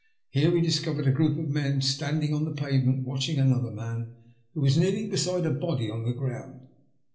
Here we discovered a group of men standing on the pavement watching another man, who was kneeling beside a body upon the ground.